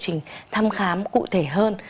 trình thăm khám cụ thể hơn